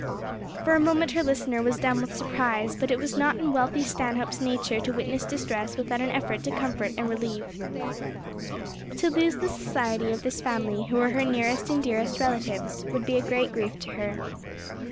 For a moment her listener was dumb with surprise; but it was not in Wealthy Stanhope's nature to witness distress without an effort to comfort and relieve. To lose the society of this family who were her nearest and dearest relatives, would be a great grief to her.